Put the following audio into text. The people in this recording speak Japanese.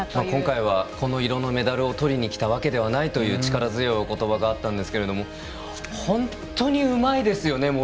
今回はこの色のメダルをとりにきたわけではないという力強いおことばがあったんですが本当にうまいですよね。